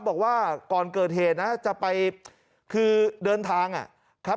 บอกว่าก่อนเกิดเหตุนะจะไปคือเดินทางอ่ะครับ